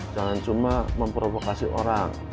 jangan cuma memprovokasi orang